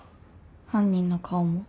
犯人の顔も。